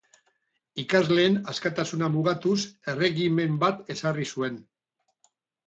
Ikasleen askatasuna mugatuz erregimen bat ezarri zuen.